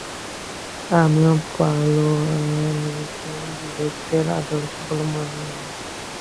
আমিও পালোয়ানিকে বীরত্বের আদর্শ বলে মানি নে।